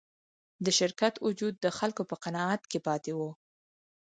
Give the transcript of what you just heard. د شرکت وجود د خلکو په قناعت کې پاتې و.